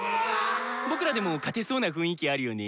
僕らでも勝てそうな雰囲気あるよね。